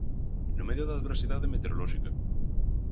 No medio da adversidade metereolóxica.